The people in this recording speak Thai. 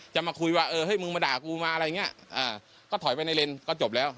มาคุยว่าเออเฮ้มึงมาด่ากูมาอะไรอย่างเงี้ยอ่าก็ถอยไปในเลนก็จบแล้ว